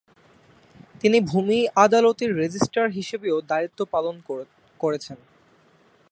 তিনি ভূমি আদালতের রেজিস্ট্রার হিসেবেও দায়িত্বপালন করেছেন।